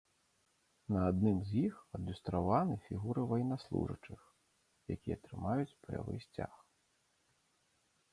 На адным з іх адлюстраваны фігуры ваеннаслужачых, якія трымаюць баявы сцяг.